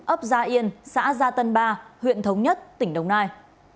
ấp gia yên xã gia tân ba huyện thống nhất tỉnh đồng nai